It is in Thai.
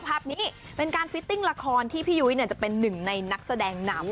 ภาพนี้เป็นการฟิตติ้งละครที่พี่ยุ้ยจะเป็นหนึ่งในนักแสดงนำ